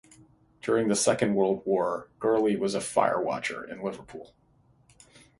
During the Second World War, Gourley was a firewatcher in Liverpool.